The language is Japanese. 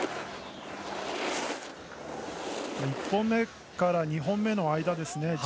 １本目から２本目の間ですね。